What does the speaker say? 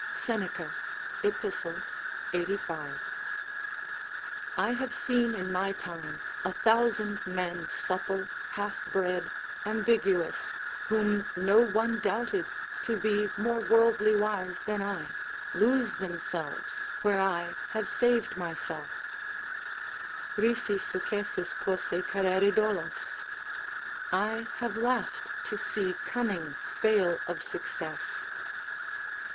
[Seneca, Ep., 85.] I have seen in my time a thousand men supple, halfbred, ambiguous, whom no one doubted to be more worldly wise than I, lose themselves, where I have saved myself: "Risi successus posse carere dolos." ["I have laughed to see cunning fail of success."